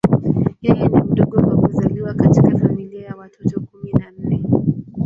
Yeye ni mdogo kwa kuzaliwa katika familia ya watoto kumi na nne.